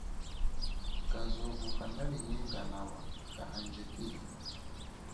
Kazovu kanalinyenga nawa kahandjikile.